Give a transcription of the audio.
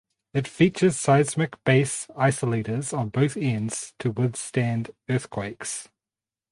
It features seismic base isolators on both ends to withstand earthquakes.